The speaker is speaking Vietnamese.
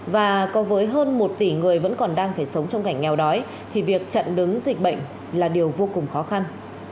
và có với hơn một tỷ người vẫn còn đang phải sống trong cảnh nghèo đói thì việc chặn đứng dịch bệnh là điều vô cùng khó khăn